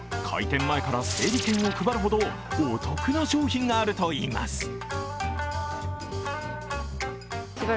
開店前から整理券を配るほどお得な商品があるといいます。